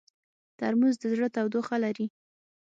ترموز د زړه تودوخه لري.